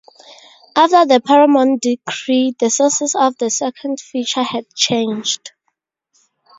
After the Paramount Decree the sources of the second feature had changed.